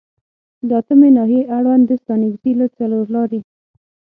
د اتمې ناحیې اړوند د ستانکزي له څلورلارې